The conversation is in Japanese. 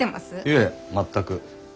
いえ全く。